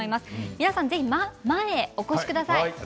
皆さん、ぜひ前にお越しください。